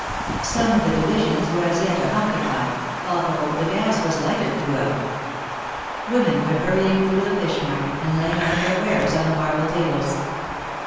Some of the divisions were as yet unoccupied, although the gas was lighted throughout. Women were hurrying through the fish market, and laying out their wares on the marble tables.